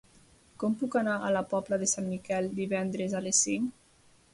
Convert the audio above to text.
Com puc anar a la Pobla de Sant Miquel divendres a les cinc?